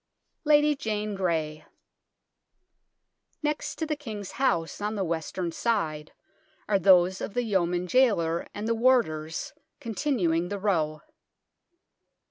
LADY JANE GREY Next to the King's House, on the western side, are those of the Yeoman Jailer and the warders, continuing the row.